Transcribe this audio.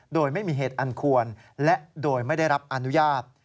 โดยไม่มีเหตุอันควรและโดยไม่ได้รับอนุญาต